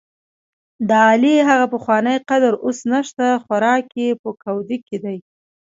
دعلي هغه پخوانی قدر اوس نشته، خوراک یې په کودي کې دی.